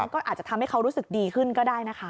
ก็อาจจะทำให้เขารู้สึกดีขึ้นก็ได้นะคะ